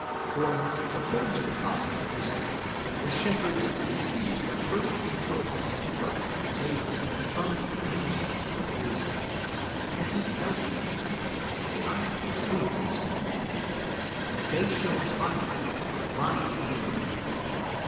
For, according to the gospel history, the shepherds receive the first intelligence of the birth of the Saviour σωτὴρ from the angel who appears to them, and who tells them, as a sign of the truth of his communication, that they shall find the babe lying in a manger.